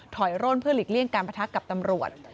ถอยร่นเพื่อหลีกเลี่ยงการประทักกับตำรวจ